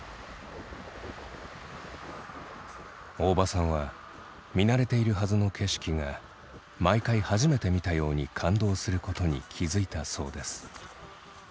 大庭さんは見慣れているはずの景色が毎回初めて見たように感動することに気付いたそうです。